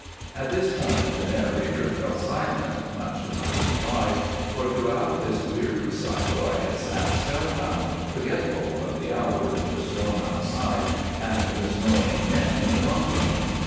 '" At this point the narrator fell silent, much to my surprise, for throughout this weird recital I had sat spellbound, forgetful of the hour, the storm outside, and the snoring men in the bunkroom.